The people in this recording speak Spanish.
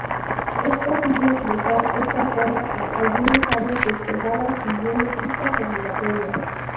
Es posible cruzar esta zona por algunas áreas despejadas, siguiendo pistas obligatorias.